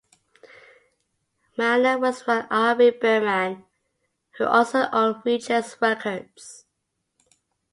Manor was run Irving Berman, who also owned Regis Records.